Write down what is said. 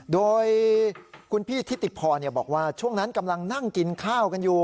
โดยคุณพี่ทิติพรบอกว่าช่วงนั้นกำลังนั่งกินข้าวกันอยู่